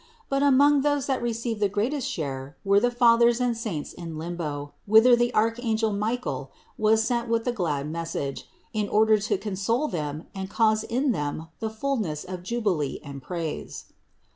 But among those that received the greatest share, were the Fathers and Saints in limbo, whither the archangel Michael was sent with the glad message, in order to console them and cause in them the fullness of jubilee and praise.